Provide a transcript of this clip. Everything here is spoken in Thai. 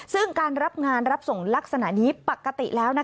ซึ่งการรับงานรับส่งลักษณะนี้ปกติแล้ว